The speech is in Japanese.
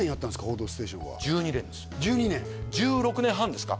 「報道ステーション」は１２年です１６年半ですか？